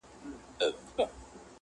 پر وړو لویو خبرو نه جوړېږي!